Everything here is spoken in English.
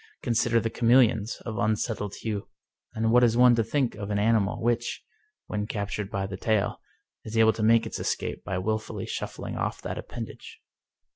Consider the chameleons of un settled hue. And what is one to think of an animal which, when captured by the tail, is able to make its escape by willfully shuffling off that appendage